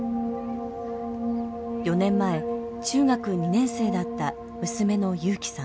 ４年前中学２年生だった娘の有希さん。